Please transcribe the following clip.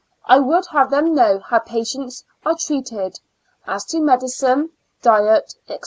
I would have them know how patients are treated, as to medicine, diet, &c.